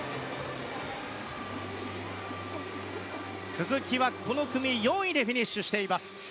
鈴木はこの組４位でフィニッシュしています。